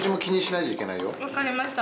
わかりました。